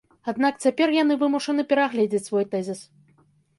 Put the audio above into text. Аднак цяпер яны вымушаны перагледзіць свой тэзіс.